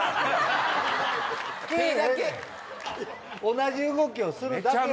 同じ動きをするだけやの！